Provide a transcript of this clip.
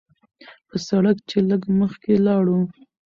پۀ سړک چې لږ مخکښې لاړو